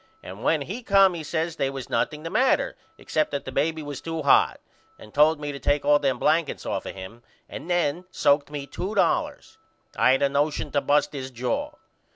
And when he come he says they was nothing the matter except that the baby was to hot and told me to take all them blankets off of him and then soaked me 2 dollars. I had a nosion to bust his jaw.